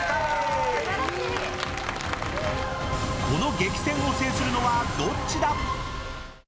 この激戦を制するのはどっちだ？